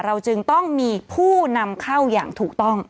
เราจึงต้องมีผู้นำเข้าอย่างถูกต้อง